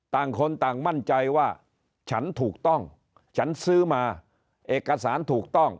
ต่างคนต่างมั่นใจว่าฉันถูกต้องฉันซื้อมาเอกสารถูกต้อง